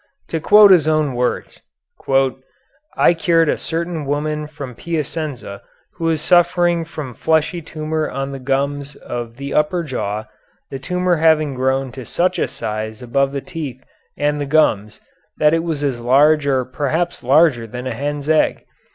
To quote his own words: "I cured a certain woman from Piacenza who was suffering from fleshy tumor on the gums of the upper jaw, the tumor having grown to such a size above the teeth and the gums that it was as large or perhaps larger than a hen's egg.